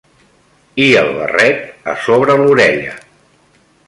...i el barret a sobre l'orella